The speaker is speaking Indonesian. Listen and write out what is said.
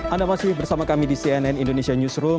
anda masih bersama kami di cnn indonesia newsroom